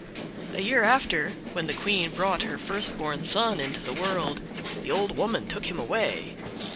A year after, when the Queen brought her first born son into the world, the old woman took him away.